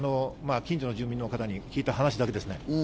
近所の住民の方に聞いた話だけですね。